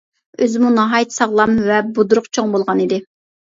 ئۆزىمۇ ناھايىتى ساغلام ۋە بۇدرۇق چوڭ بولغان ئىدى.